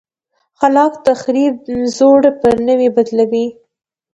خلاق تخریب زوړ پر نوي بدلوي.